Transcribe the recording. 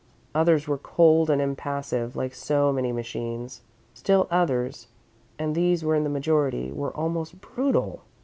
Others were cold and impassive, like so many machines. Still others, and these were in the majority, were almost brutal.